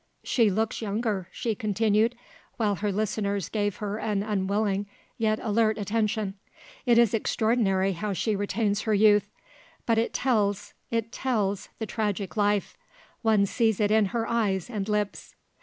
"She looks younger," she continued, while her listeners gave her an unwilling yet alert attention. "It is extraordinary how she retains her youth. But it tells, it tells, the tragic life; one sees it in her eyes and lips."